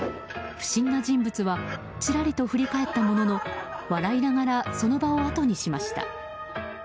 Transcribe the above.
不審な人物はちらりと振り返ったものの笑いながらその場をあとにしました。